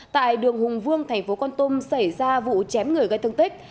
tại đường hùng vương thành phố con tum xảy ra vụ chém người gây thương tích